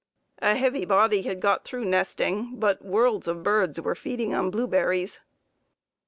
A heavy body had got through nesting, but worlds of birds were feeding on blueberries.